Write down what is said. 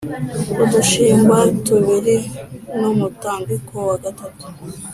udushingwa tubiri n’umutambiko wa gatatu